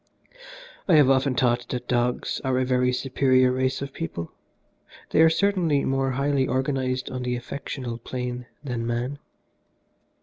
"I have often thought that dogs are a very superior race of people. They are certainly more highly organised on the affectional plane than man.